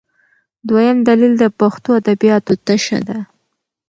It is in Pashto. دویم دلیل د پښتو ادبیاتو تشه ده.